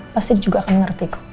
pasti dia juga akan mengerti